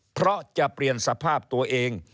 เพราะจะเปลี่ยนสภาพตัวเอง